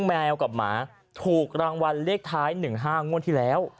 แมวกับหมาถูกรางวัลเลขท้าย๑๕งวดที่แล้ว